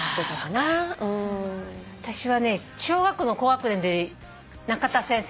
私はね小学校の高学年でナカタ先生